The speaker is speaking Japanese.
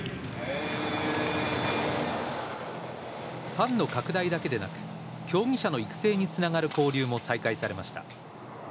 ファンの拡大だけでなく競技者の育成につながる交流も再開されました。